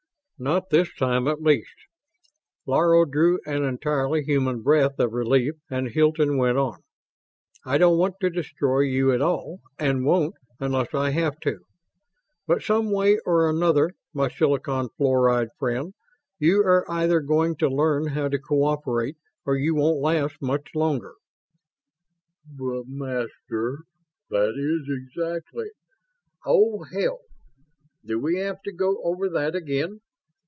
"Not this time, at least." Laro drew an entirely human breath of relief and Hilton went on: "I don't want to destroy you at all, and won't, unless I have to. But, some way or other, my silicon fluoride friend, you are either going to learn how to cooperate or you won't last much longer." "But, Master, that is exactly ..." "Oh, hell! Do we have to go over that again?"